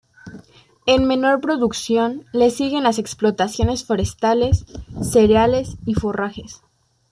En menor producción, le siguen las explotaciones forestales, cereales y forrajes.